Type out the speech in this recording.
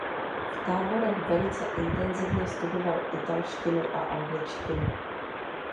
V táborech velice intenzivně studoval italštinu a angličtinu.